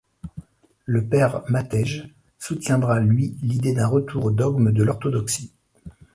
Le Père Matej soutiendra lui l'idée d'un retour aux dogmes de l'Orthodoxie.